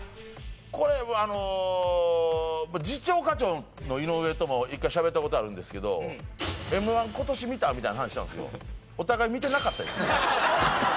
これはあの次長課長の井上とも１回しゃべったことあるんですけど「Ｍ−１今年見た？」みたいな話したんですよお互い見てなかったです